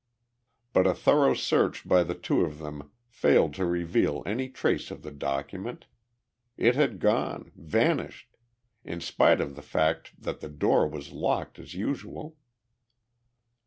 But a thorough search by the two of them failed to reveal any trace of the document. It had gone vanished in spite of the fact that the door was locked as usual.